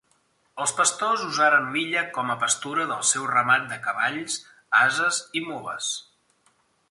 Els pastors usaren l'illa com a pastura del seu ramat de cavalls, ases i mules.